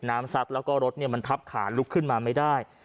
น้ำสัดแล้วก็รถเนี่ยมันทับขานลุกขึ้นมาไม่ได้